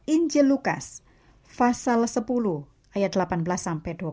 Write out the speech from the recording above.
injil lukas pasal sepuluh ayat delapan belas sampai dua puluh